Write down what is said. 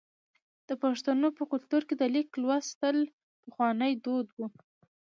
د پښتنو په کلتور کې د لیک لوستل پخوانی دود و.